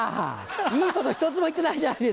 いいこと１つも言ってないじゃないですか。